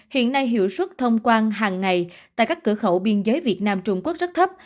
xe hiệu suất thông quan hàng ngày tại các cửa khẩu biên giới việt nam trung quốc rất thấp